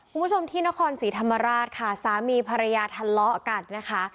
คุณผู้ชมที่นครศรีฐมราชค่ะซามีภรรยาทันเล็ลต์กรัันนะคะ